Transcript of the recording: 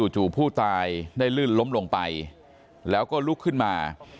จู่ผู้ตายได้ลื่นล้มลงไปแล้วก็ลุกขึ้นมา